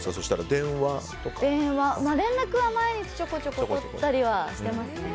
電話連絡は毎日ちょこちょこ取ったりはしていますね。